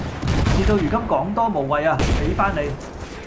事到如今講多無謂呀，畀返你